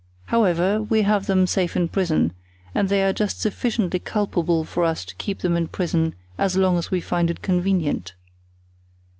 However, we have them safe in prison, and they are just sufficiently culpable for us to keep them in prison as long as we find it convenient.